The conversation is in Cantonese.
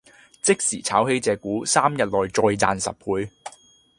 即時炒起隻股，三日內再賺十倍